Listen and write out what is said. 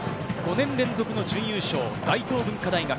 ５年連続準優勝、大東文化大学。